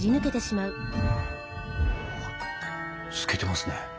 透けてますね。